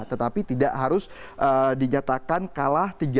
tetapi tidak harus dinyatakan kalah tiga